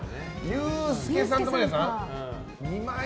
ユースケ・サンタマリアさん？